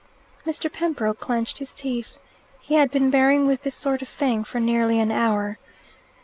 Mr. Pembroke clenched his teeth. He had been bearing with this sort of thing for nearly an hour.